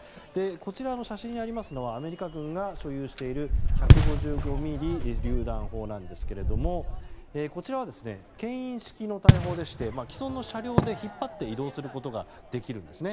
こちらの写真にありますのはアメリカ軍が所有している１５５ｍｍりゅう弾砲なんですがこちらは牽引式の大砲でして既存の車両で引っ張って移動することができるんです。